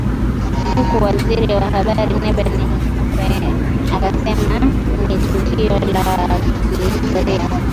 huku Waziri wa Habari Nape Nnauye akisema ni tukio la kihistoria